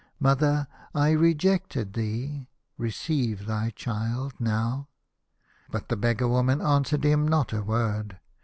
Mother, I rejected thee. Receive thy child now." But the beggar woman answered him not a word.